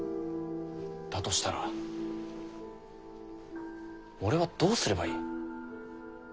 だとしたら俺はどうすればいい？